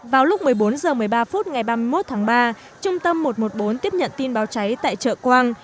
vào lúc một mươi bốn h một mươi ba phút ngày ba mươi một tháng ba trung tâm một trăm một mươi bốn tiếp nhận tin báo cháy tại chợ quang